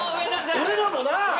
俺らもな。